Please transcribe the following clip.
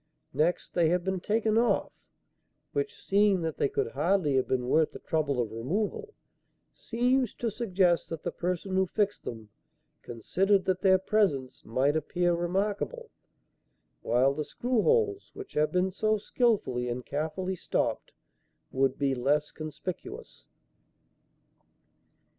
Next, they have been taken off, which, seeing that they could hardly have been worth the trouble of removal, seems to suggest that the person who fixed them considered that their presence might appear remarkable, while the screw holes, which have been so skilfully and carefully stopped, would be less conspicuous.